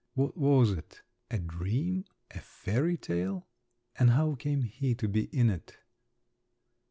What was it? A dream? a fairy tale? And how came he to be in it?